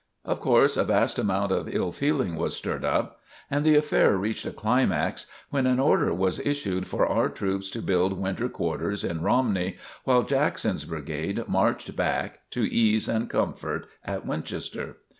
Of course a vast amount of ill feeling was stirred up, and the affair reached a climax when an order was issued for our troops to build winter quarters in Romney, while Jackson's brigade marched back to ease and comfort at Winchester.